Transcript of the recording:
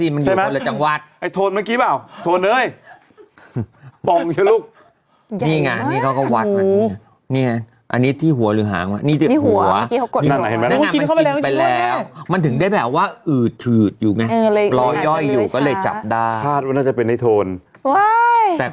บ้าเป็นแล้วบางชโหลง